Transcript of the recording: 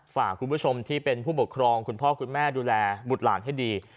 ฝากคุณผู้ชมที่เป็นผู้ปกครองคุณพ่อคุณแม่ดูแลบุตรหลานให้ดี